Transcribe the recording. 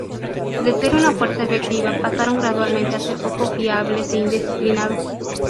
De ser una fuerza efectiva, pasaron gradualmente a ser poco fiables e indisciplinados.